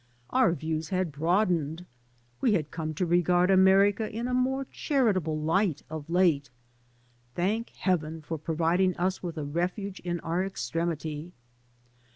Our views had broadened; we had come to regard America in a more charitable light, of late. Thank Heaven for providing us with a refuge in our extremity!